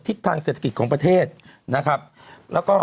ทางเศรษฐกิจของประเทศนะครับแล้วก็